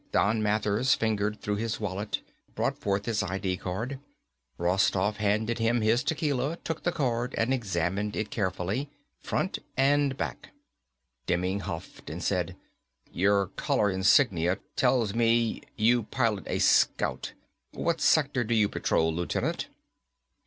Don Mathers fingered through his wallet, brought forth his I.D. card. Rostoff handed him his tequila, took the card and examined it carefully, front and back. Demming huffed and said, "Your collar insignia tells me you pilot a Scout. What sector do you patrol, Lieutenant?"